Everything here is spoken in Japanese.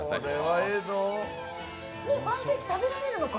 もうパンケーキ食べられるのか。